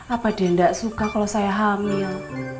apa dian gak suka kalau saya hamil